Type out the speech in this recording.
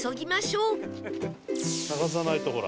探さないとほら。